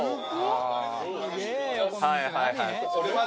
あぁはいはいはい。